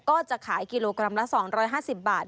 ก็จะขายกิโลกรัมละ๒๕๐บาท